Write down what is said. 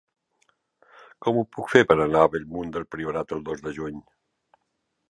Com ho puc fer per anar a Bellmunt del Priorat el dos de juny?